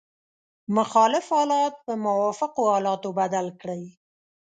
مخالف حالات په موافقو حالاتو بدل کړئ.